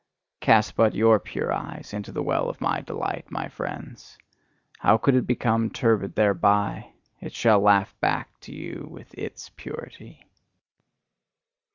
Cast but your pure eyes into the well of my delight, my friends! How could it become turbid thereby! It shall laugh back to you with ITS purity.